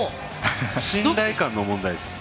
信頼感の問題です。